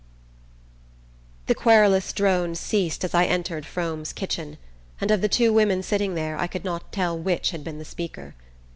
THE QUERULOUS DRONE ceased as I entered Frome's kitchen, and of the two women sitting there I could not tell which had been the speaker.